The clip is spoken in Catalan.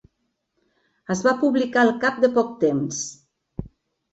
Es va publicar al cap de poc temps.